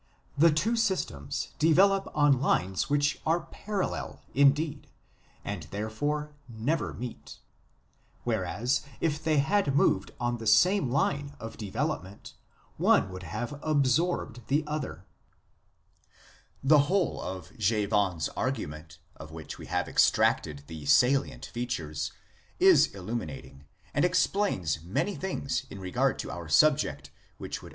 The two systems develop on lines which are parallel, indeed, and therefore never meet ; whereas, if they had moved on the same line of development, one would have absorbed the other." 2 The whole of Jevons argument, of which we have ex tracted the salient features, is illuminating, and explains many things in regard to our subject which would other 1 But see Tylor s words on p.